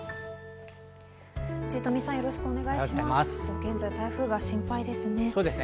現在、台風が心配ですね。